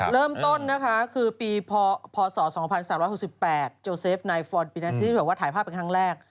เริ่มต้นนะคะคือปีพศ๒๓๖๘โจเซฟนายฟอนปีนัสที่แบบว่าถ่ายภาพเป็นครั้งแรก